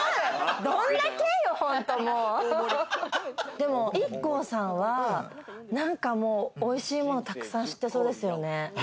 でもＩＫＫＯさんは美味しいものを、たくさん知ってそうですよね。